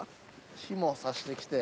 日も差してきて。